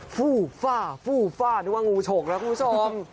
ฟูฟ่าฟูฟ่านึกว่างูฉกนะคุณผู้ชม